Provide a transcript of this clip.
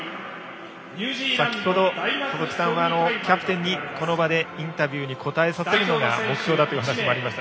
先程、細木さんはキャプテンにこの場でインタビューに答えさせるのが目標だという話がありました。